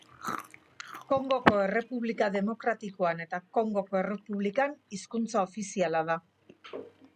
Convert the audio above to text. Kongoko Errepublika Demokratikoan eta Kongoko Errepublikan hizkuntza ofiziala da.